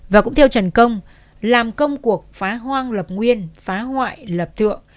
và cũng theo trần công làm công cuộc phá hoang lập nguyên phá hoại lập thượng